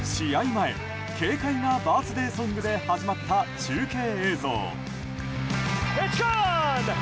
前軽快なバースデーソングで始まった、中継映像。